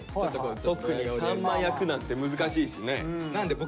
特にさんま焼くなんて難しいしね。